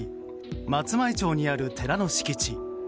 松前町にある寺の敷地。